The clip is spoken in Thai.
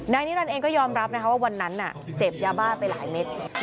นายนิตอนเองก็ยอมรับว่าวันนั้นเสพยาบ้าไปหลายเมตร